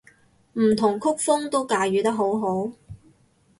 唔同曲風都駕馭得好好